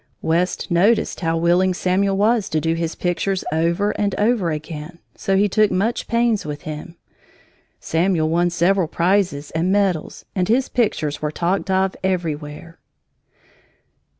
West noticed how willing Samuel was to do his pictures over and over again, so he took much pains with him. Samuel won several prizes and medals, and his pictures were talked of everywhere.